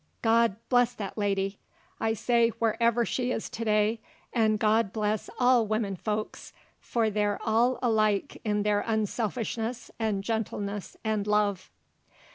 God bless that lady! I say, wherever she is to day, 'nd God bless all wimmin folks, for they're all alike in their unselfishness 'nd gentleness 'nd love!